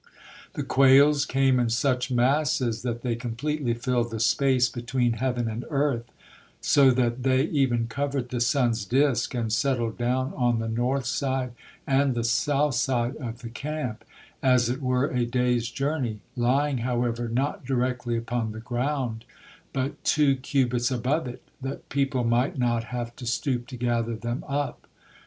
The quails came in such masses that they completely filled the space between heaven and earth, so that they even covered the sun's disk, and settled down on the north side and the south side of the camp, as it were a day's journey, lying, however, not directly upon the ground but two cubits above it, that people might not have to stoop to gather them up.